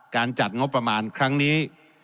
จัดงบประมาณครั้งนี้